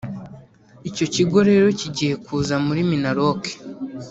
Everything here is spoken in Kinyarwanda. Icyo kigo rero kigiye kuza muri Minaloc